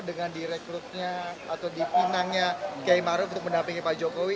dengan direkrutnya atau dipinangnya kiai maruf untuk mendampingi pak jokowi